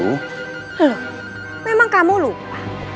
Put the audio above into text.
loh memang kamu lupa